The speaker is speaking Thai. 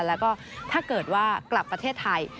แล้วก็ถ้าเกิดว่ากลับประเทศไทย